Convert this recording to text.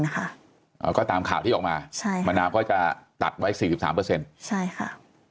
๕๐ค่ะก็ตามข่าวที่ออกมามะนาวก็จะตัดไว้๔๓ใช่ค่ะ